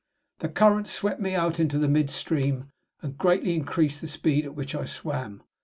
The current swept me out into the mid stream, and greatly increased the speed at which I swam.